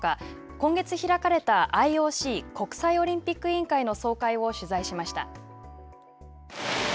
今月開かれたＩＯＣ＝国際オリンピック委員会の総会を取材しました。